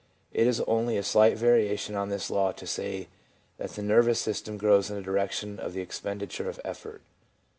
2 It is only a slight variation on this law to say that the nervous system grows in the direction of the expenditure of effort.